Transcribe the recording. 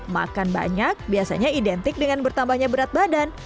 makan banyak biasanya identik dengan bertambahnya berat badan